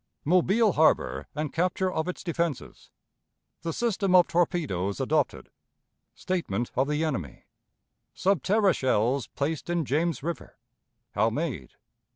Mobile Harbor and Capture of its Defenses. The System of Torpedoes adopted. Statement of the Enemy. Sub terra Shells placed in James River. How made.